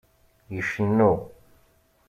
Icennu.